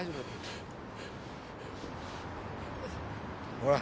ほら。